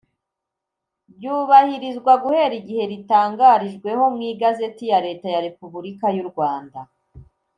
ryubahirizwa guhera igihe ritangarijweho mu igazeti ya leta ya repubulika y’u rwanda